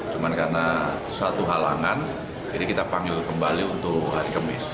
cuma karena satu halangan jadi kita panggil kembali untuk hari kemis